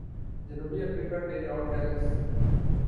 جنوب افریقہ کے ژاک کیلس